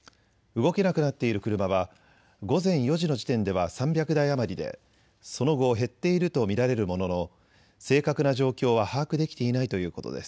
動けなくなっている車は午前４時の時点では３００台余りでその後、減っていると見られるものの正確な状況は把握できていないということです。